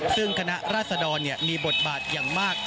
ซึ่งคณะราษดรมีบทบาทอย่างมาก